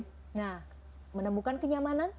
nah menemukan kenyamanan